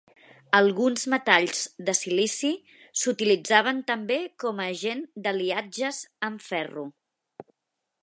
Alguns metalls de silici s'utilitzaven també com a agent d'aliatges amb ferro.